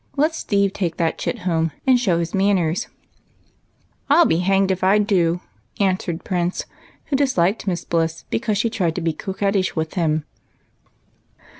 Let Steve take that chit home and show his manners." EAR RINGS. lr3 " I '11 be hanged if I do !" answered Prince, who dis liked Miss Bliss because she tried to be coquettish with him.